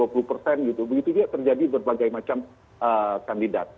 begitu juga terjadi berbagai macam kandidat